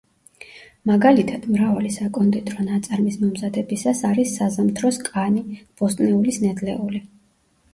მაგალითად, მრავალი საკონდიტრო ნაწარმის მომზადებისას არის საზამთროს კანი, ბოსტნეულის ნედლეული.